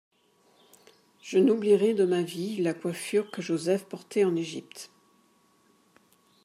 Je n'oublierai de ma vie la coiffure que Joseph portait en Égypte.